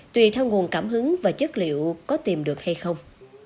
tùy theo nguồn cảm hứng và chất liệu có tìm được hay không